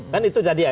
kan itu jadi ya